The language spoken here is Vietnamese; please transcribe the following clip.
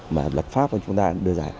mà lập pháp của chúng ta đưa ra